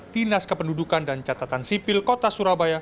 dinas kependudukan dan catatan sipil kota surabaya